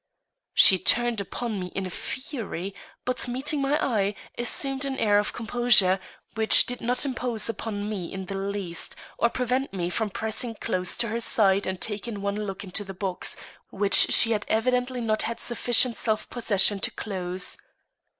She turned upon me in a fury, but, meeting my eye, assumed an air of composure, which did not impose upon me in the least, or prevent me from pressing close to her side and taking one look into the box, which she had evidently not had sufficient self possession to close.